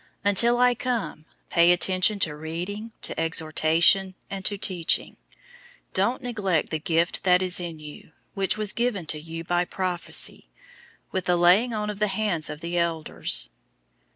004:013 Until I come, pay attention to reading, to exhortation, and to teaching. 004:014 Don't neglect the gift that is in you, which was given to you by prophecy, with the laying on of the hands of the elders.